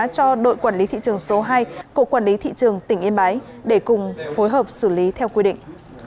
cho đội quản lý thị trường số hai của quản lý thị trường tỉnh yên bái để cùng phối hợp xử lý theo quy định